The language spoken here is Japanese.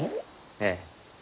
ええ。